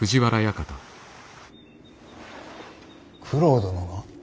九郎殿が？